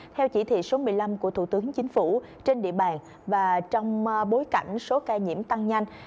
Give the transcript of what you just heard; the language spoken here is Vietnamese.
theo chỉ thị số một mươi năm của thủ tướng chính phủ trên địa bàn và trong bối cảnh số ca nhiễm tăng nhanh